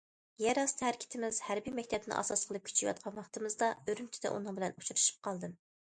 يەر ئاستى ھەرىكىتىمىز ھەربىي مەكتەپنى ئاساس قىلىپ كۈچىيىۋاتقان ۋاقتىمىزدا، ئۈرۈمچىدە ئۇنىڭ بىلەن ئۇچرىشىپ قالدىم.